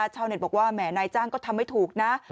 ชาวเน็ตบอกว่าแหมนายจ้างก็ทำไม่ถูกนะ